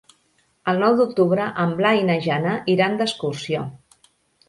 El nou d'octubre en Blai i na Jana iran d'excursió.